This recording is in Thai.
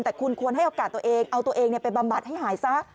แต่คุณควรให้โอกาสตัวเองเอาตัวเองไปบำบัดให้หายซะ